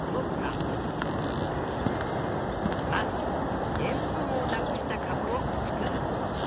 まずでんぷんをなくしたかぶを作る。